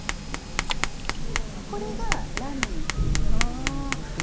これが「ラミー」って言われるものですけど。